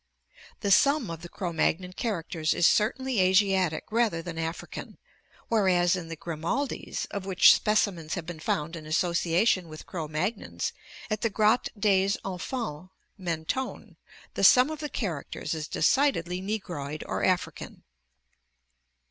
The sum of the Cro Magnon characters is certainly Asiatic rather than African, whereas in the Grimaldis [of which specimens have been found in association with Cro Mag nons at the Grotte des Enfants, Men tone] the sum of the characters is de cidedly negroid or African."